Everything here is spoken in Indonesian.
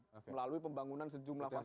melalui pembangunan sejumlah fasilitas